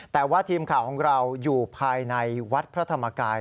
แต่ว่าทีมข่าวของเราอยู่ภายในวัดพระธรรมกาย